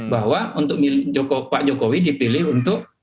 bahwa untuk milik jokowi pak jokowi dipilih untuk